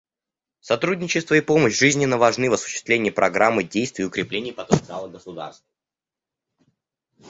Сотрудничество и помощь жизненно важны в осуществлении Программы действий и укреплении потенциала государств.